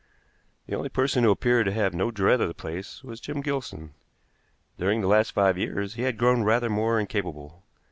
The only person who appeared to have no dread of the place was Jim Gilson. During the last five years he had grown rather more incapable.